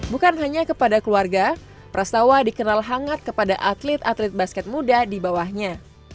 bukan hanya kepada keluarga prastawa dikenal hangat kepada atlet atlet basket muda di bawahnya